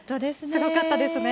すごかったですね。